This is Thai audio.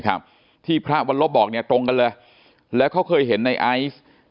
ครับที่พระวรรลบบอกเนี่ยตรงกันเลยแล้วเขาเคยเห็นในไอซ์